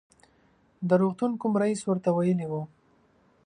د روغتون کوم رئیس ورته ویلي و.